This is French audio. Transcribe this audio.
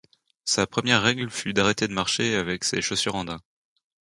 Sa première règle fut d'arrêter de marcher avec ses chaussures en daim.